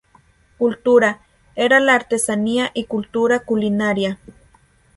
Cultura: era la artesanía y Cultura culinaria.